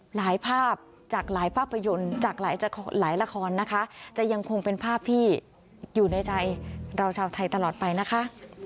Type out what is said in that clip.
ภาพจากหลายภาพยนตร์จากหลายละครนะคะจะยังคงเป็นภาพที่อยู่ในใจเราชาวไทยตลอดไปนะคะ